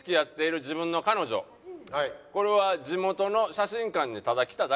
これは地元の写真館にただ来ただけ。